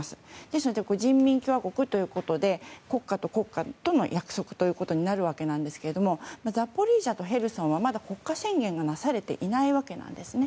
ですので人民共和国ということで国家と国家との約束となるわけですがザポリージャとヘルソンはまだ国家宣言がなされていないわけなんですね。